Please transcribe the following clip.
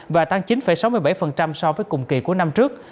và tăng chín sáu mươi bảy so với cùng kỳ của năm trước